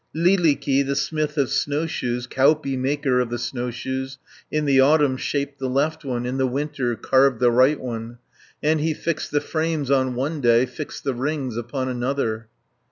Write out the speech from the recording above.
Lyylikki, the smith of snowshoes, Kauppi, maker of the snowshoes, In the autumn shaped the left one, In the winter carved the right one, And he fixed the frames on one day, Fixed the rings upon another.